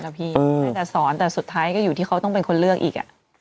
ละพี่อืมได้แต่สอนแต่สุดท้ายก็อยู่ที่เขาต้องเป็นคนเลือกอีกอ่ะ